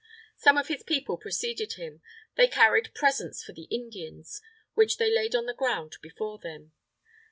Some of his people preceded him. They carried presents for the Indians, which they laid on the ground before them.